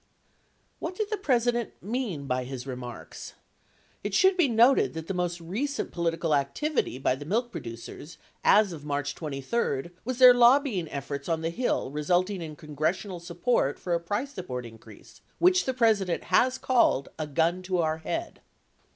What did the President mean by his remarks? It should be noted that the most recent political activity by the milk producers as of March 23 was their lobbying efforts on the Hill resulting in con gressional support for a price support increase which the President has called a "gun to our head."